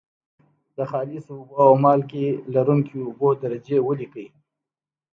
د خالصو اوبو او مالګې لرونکي اوبو درجې ولیکئ.